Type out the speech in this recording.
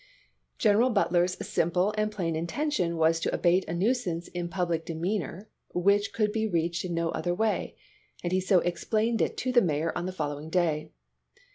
General Butler's simple and plain intention was to abate a nuisance in public demeanor which could be reached in no other way, and he so ex plained it to the Mayor on the following day.